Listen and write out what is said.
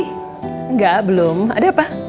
enggak belum ada apa